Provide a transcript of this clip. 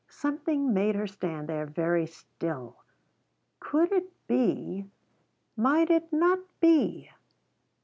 Something made her stand there very still. Could it be ? Might it not be